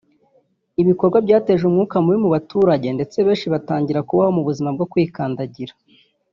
ibikorwa byateje umwuka mubi mu baturage ndetse benshi bagatangira kubaho mu buzima bwo kwikandagira